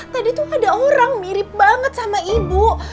tadi tuh ada orang mirip banget sama ibu